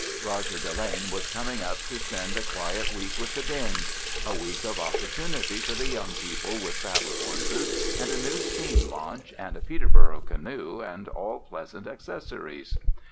Roger Delane was coming up to spend a quiet week with the Bings a week of opportunity for the young people with saddle horses and a new steam launch and a Peterborough canoe and all pleasant accessories.